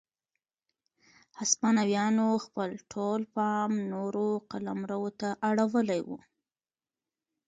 هسپانویانو خپل ټول پام نورو قلمرو ته اړولی و.